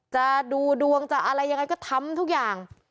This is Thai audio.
จะดูดวงจะอะไรยังไงก็ทำทุกอย่าง